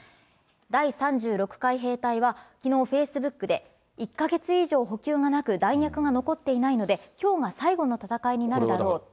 第３６海兵隊は、きのう、フェイスブックで、１か月以上補給がなく、弾薬が残っていないので、きょうが最後の戦いになるだろうと。